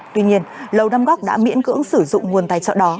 tuy nhiên lầu năm góc đã miễn cưỡng sử dụng nguồn tài trợ đó